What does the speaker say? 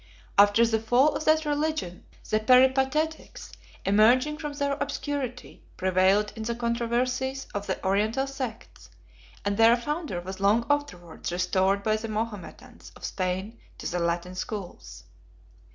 After the fall of that religion, the Peripatetics, emerging from their obscurity, prevailed in the controversies of the Oriental sects, and their founder was long afterwards restored by the Mahometans of Spain to the Latin schools.